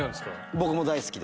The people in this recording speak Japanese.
僕も大好きです。